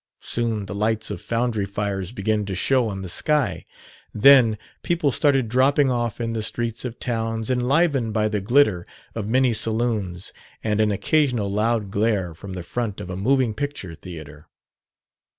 Soon the lights of foundry fires began to show on the sky; then people started dropping off in the streets of towns enlivened by the glitter of many saloons and an occasional loud glare from the front of a moving picture theater....